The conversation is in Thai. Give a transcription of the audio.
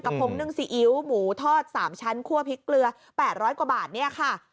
พงนึ่งซีอิ๊วหมูทอด๓ชั้นคั่วพริกเกลือ๘๐๐กว่าบาทเนี่ยค่ะ